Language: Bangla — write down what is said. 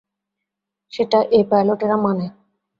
সেটা এই পাইলটেরা মানে।